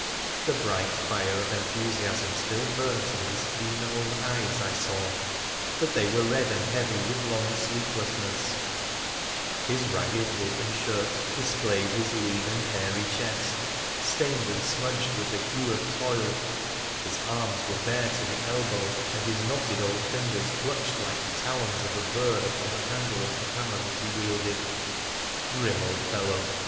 The bright fire of enthusiasm still burnt in his keen old eyes, I saw, but they were red and heavy with long sleep lessness ; his ragged, open shirt displayed his lean and hairy chest, stained and smudged with the hue of toil ; his arms were bare to the elbow, and his knotted old fingers clutched like the talons of a bird upon the handle of the hammer that he wielded. Grim old fellow